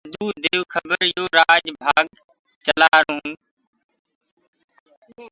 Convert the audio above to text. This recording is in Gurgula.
سآڌوٚ ديئو کَبَر ڪي مي يو پوٚرو رآج پآٽ چلآهيرونٚ ڪآ